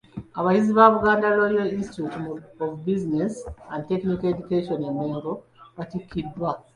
Abayizi ba Buganda royal Institute of business and technical education e Mengo batikkiddwa.